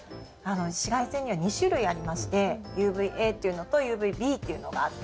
紫外線には２種類ありましてＵＶＡっていうのとＵＶＢっていうのがあって。